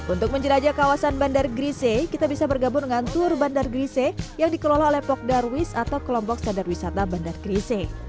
untuk menjelajah kawasan bandar grise kita bisa bergabung dengan tur bandar grise yang dikelola oleh pok darwis atau kelompok sadar wisata bandar grise